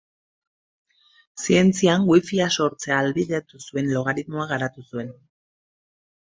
Zientzian, wifia sortzea ahalbidetu zuen logaritmoa garatu zuen.